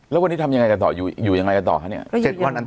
แล้ววันนี้อยู่ยังไงกันต่อ